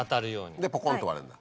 でポコンと割れんだ。